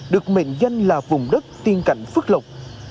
được mệnh danh là vùng đất tiên cảnh phước lộc